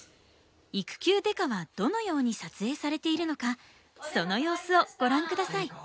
「育休刑事」はどのように撮影されているのかその様子をご覧下さい。